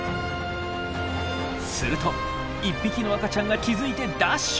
すると１匹の赤ちゃんが気付いてダッシュ！